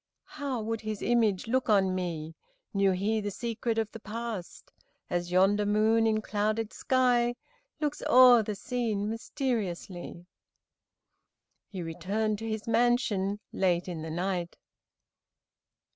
"How would his image look on me, Knew he the secret of the past; As yonder moon in clouded sky, Looks o'er the scene mysteriously." He returned to his mansion late in the night.